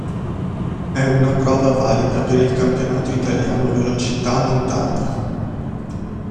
È una prova valida per il Campionato Italiano Velocità Montagna.